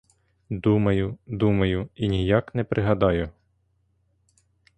Думаю, думаю і ніяк не пригадаю.